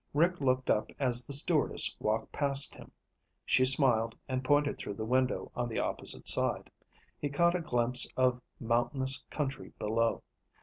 Rick looked up as the stewardess walked past him. She smiled and pointed through the window on the opposite side. He caught a glimpse of mountainous country below.